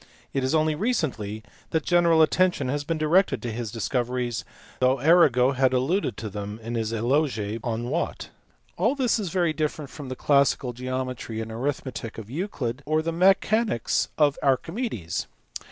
It is only recently that general attention has been directed to his discoveries, though Arago had alluded to them . in his eloge on Watt. All this is very different from the classical geometry and arithmetic of Euclid, or the mechanics of Archimedes.